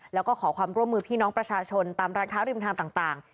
แล้วก็ขอความร่วมมือพี่น้องประชาชนตามร้านค้าริมทางต่าง